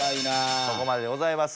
そこまででございます。